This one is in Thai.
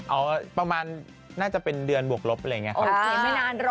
เอาประมาณน่าจะเป็นเดือนบวกลบอะไรอย่างนี้ครับ